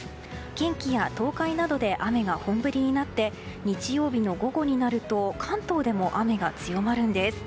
近畿や東海などで雨が本降りになって日曜日の午後になると関東でも雨が強まるんです。